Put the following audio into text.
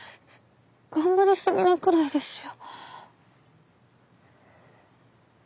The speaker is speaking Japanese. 頑張りすぎなくらいですよ。